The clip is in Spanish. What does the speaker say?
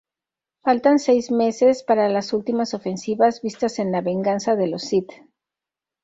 Faltan seis meses para las últimas ofensivas vistas en La venganza de los Sith.